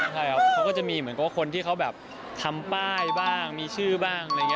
เขาก็จะมีเหมือนกับคนที่เขาแบบทำป้ายบ้างมีชื่อบ้าง